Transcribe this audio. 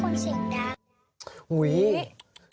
อย่าเสียงดังสิพี่ตุ๊กตาเขาไม่ชอบคนเสียงดัง